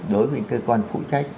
đối với những cơ quan phụ trách